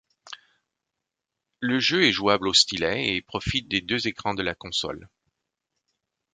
Le jeu est jouable au stylet, et profite des deux écrans de la console.